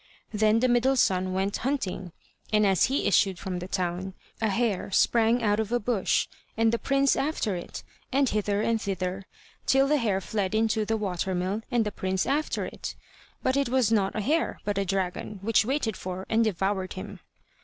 Then the middle son went hunting, and as he issued from the town, a hare sprang out of a bush, and the prince after it, and hither and thither, till the hare fled into the water mill and the prince after it; but it was not a hare, but a dragon, which waited for and devoured him.